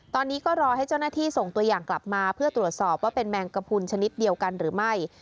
ตอนนี้ก็รอให้เจ้าหน้าที่ส่งตัวอย่างกลับมาเพื่อตรวจสอบว่าเป็นแมงกระพุนชนิดเดียวกันหรือไม่